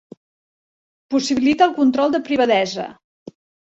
Possibilita el control de privadesa.